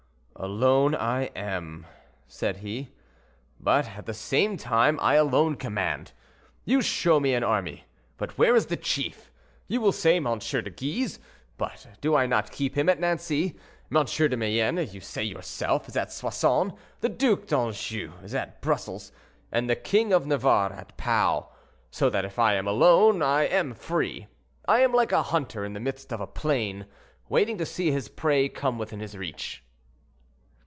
"Alone I am," said he, "but at the same time I alone command. You show me an army, but where is the chief? You will say, M. de Guise; but do I not keep him at Nancy? M. de Mayenne, you say yourself, is at Soissons, the Duc d'Anjou is at Brussels, and the king of Navarre at Pau; so that if I am alone, I am free. I am like a hunter in the midst of a plain, waiting to see his prey come within his reach."